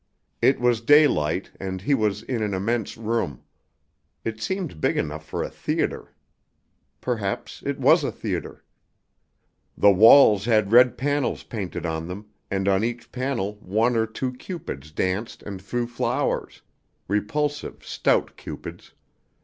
It was daylight, and he was in an immense room. It seemed big enough for a theater. Perhaps it was a theater. The walls had red panels painted on them, and on each panel one or two cupids danced and threw flowers: repulsive, stout cupids.